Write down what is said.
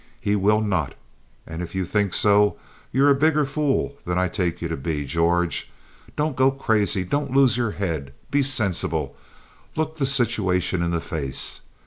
He will not. And if you think so, you're a bigger fool than I take you to be, George. Don't go crazy. Don't lose your head. Be sensible. Look the situation in the face.